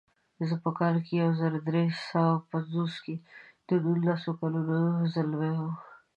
زه په کال یو زر درې سوه پنځوس کې د نولسو کالو ځلمی وم.